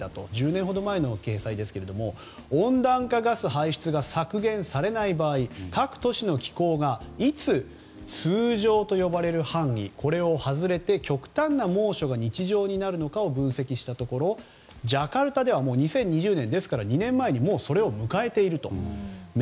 １０年前の記載ですが温暖化ガス排出が削減されない場合各都市の気候がいつ通常と呼ばれる範囲これを外れて、極端な猛暑が日常になるのかを分析したところジャカルタでは２０２０年ですから２年前にもうそれを迎えていると。